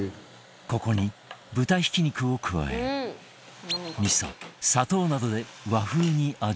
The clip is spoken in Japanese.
ここに豚ひき肉を加え味噌砂糖などで和風に味付け